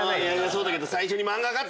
そうだけど。